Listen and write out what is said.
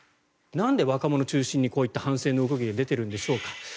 なんで若者を中心にこういった反戦の動きが出ているんでしょうか。